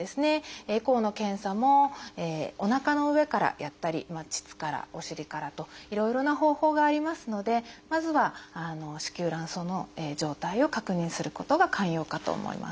エコーの検査もおなかの上からやったり膣からお尻からといろいろな方法がありますのでまずは子宮卵巣の状態を確認することが肝要かと思います。